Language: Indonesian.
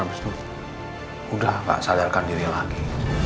habis itu udah pak sadarkan diri lagi